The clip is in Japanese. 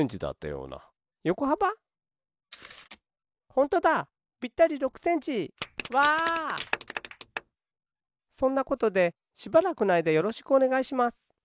そんなことでしばらくのあいだよろしくおねがいします。